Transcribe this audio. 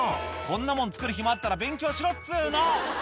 「こんなもん作る暇あったら勉強しろっつの！」